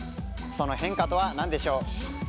その変化とは何でしょう？